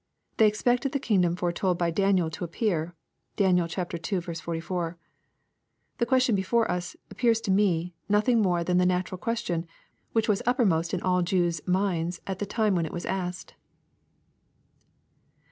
They expected the kingdom foretold by Daniel to appear. (Dan. ii 44.) The question before us appears to me nothing more than the natural question, which was uppermost in all Jews' minds at the time when it was asked.